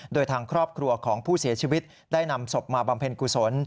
โดยทางครอบครัวของผู้เสียชีวิตได้นำศพมาบำเพ็ญกุศล